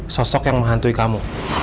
sosok yang menghantui kamu